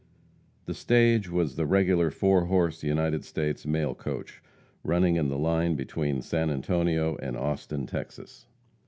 The stage was the regular four horse, United States mail coach, running in the line between San Antonio and Austin, Texas.